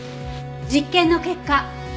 実験の結果